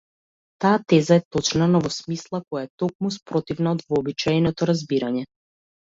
Таа теза е точна, но во смисла која е токму спротивна од вообичаеното разбирање.